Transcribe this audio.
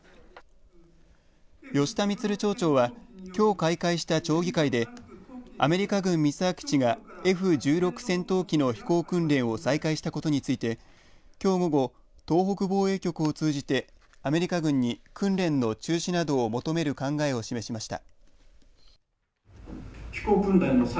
吉田満町長はきょう開会した町議会でアメリカ軍三沢基地がＦ１６戦闘機の飛行訓練を再開したことについてきょう午後、東北防衛局を通じてアメリカ軍に訓練の中止などを求める考えを示しました。